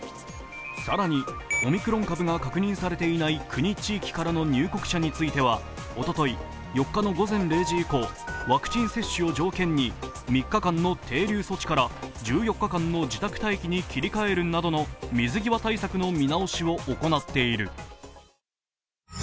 更にオミクロン株が確認されていない国、地域からの入国者についてはおととい、４日の午前０時以降ワクチン接種を条件に３日間の停留措置から１４日間の自宅待機に切り替えるなどの水際対策の見直しを行っている。